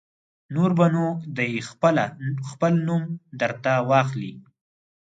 نور به نو دی خپله خپل نوم در ته واخلي.